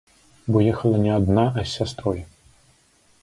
Бо ехала не адна, а з сястрой.